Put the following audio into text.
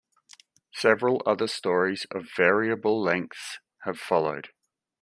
Several other stories of variable lengths have followed.